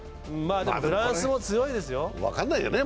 フランスも強いですよ。